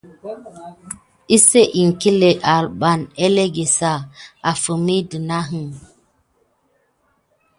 Enseŋ iŋkile nalɓa elege sa? Afime de daouna.